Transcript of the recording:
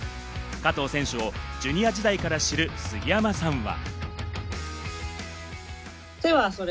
加藤選手をジュニア時代から知る杉山さんは。